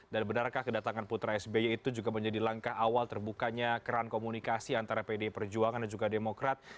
dan benarkah kedatangan putra sby itu juga menjadi langkah awal terbukanya keran komunikasi antara pde perjuangan dan juga demokrat